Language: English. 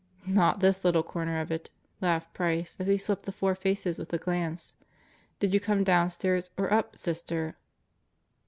"Not this little corner of it," laughed Price as he swept the four faces with a glance. "Did you come downstairs or up, Sister?"